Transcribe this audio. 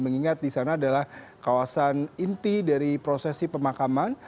mengingat di sana adalah kawasan inti dari prosesi pemakaman